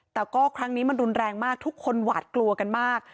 แต่ก็ครั้งนี้มันรุนแรงมากทุกคนหวาดกลัวกันมาก